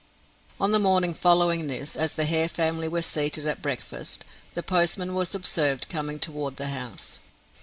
On the morning following this, as the Hare family were seated at breakfast, the postman was observed coming toward the house.